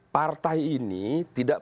partai ini tidak